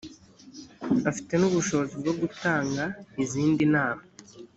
afite n’ubushobozi bwo gutanga izindi nama